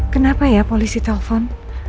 kenapa ya polisi telpon